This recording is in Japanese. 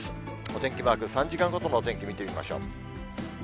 お天気マーク、３時間ごとのお天気、見てみましょう。